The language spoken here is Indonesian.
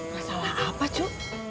masalah apa cu